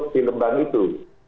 di lembang itu